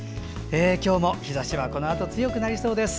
今日も日ざしはこのあと、強くなりそうです。